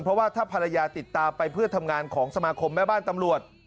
เพราะว่าถ้าภรรยาติดตามไปเพื่อทำงานของสมาคมแม่บ้านตำรวจ